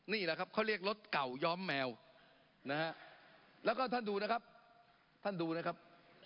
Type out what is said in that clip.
นี่แหละครับเขาเรียกรถเก่าย้อมแมวนะฮะแล้วก็ท่านดูนะครับ